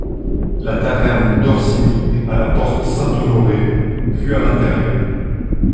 La taverne d’Orsini à la porte Saint-Honoré, vue à l’intérieur.